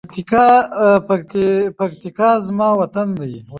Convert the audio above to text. پکتیکا زما وطن ده.